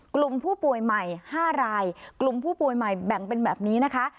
กลุ่มผู้ป่วยใหม่๕รายกลุ่มผู้ป่วยใหม่แบ่งเป็นแบบนี้นะคะ